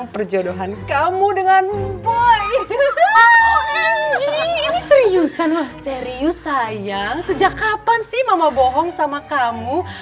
sejak kapan sih mama bohong sama kamu